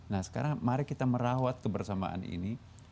nah sekarang mari kita merawat kebersamaan ini